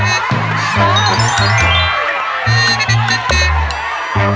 ไม่ติดอย่างพิสูจน์